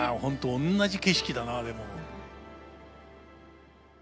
おんなじ景色だなでも。